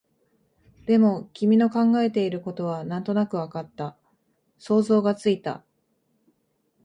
でも、君の考えていることはなんとなくわかった、想像がついた